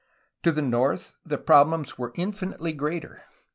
To the north the pro blems were infinitely greater.